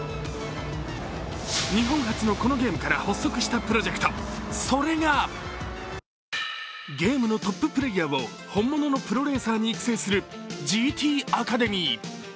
日本発のこのゲームから発足したプロジェクト、それがゲームのトッププレーヤーを本物のプロレーサーに育成するＧＴアカデミー。